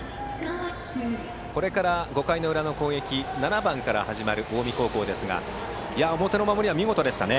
これから５回の裏の攻撃７番から始まる近江高校ですが表の守りは見事でしたね。